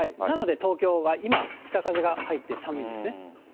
なので東京は今北風が入って寒いですね。